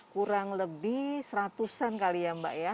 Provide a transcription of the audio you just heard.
kurang lebih seratusan kali ya mbak ya